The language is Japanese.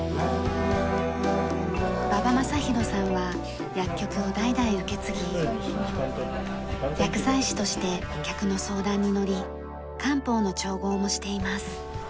馬場正浩さんは薬局を代々受け継ぎ薬剤師として客の相談に乗り漢方の調合もしています。